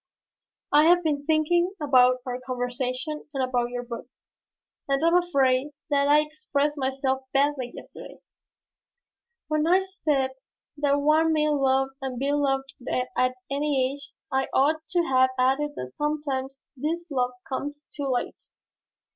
"I have been thinking about our conversation and about your book, and I am afraid that I expressed myself badly yesterday. When I said that one may love and be loved at any age I ought to have added that sometimes this love comes too late.